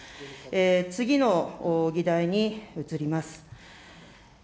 次の議題に移ります。